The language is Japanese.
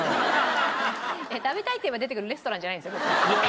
「食べたい」って言えば出てくるレストランじゃないんですよ。